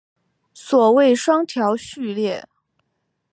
所谓双调序列。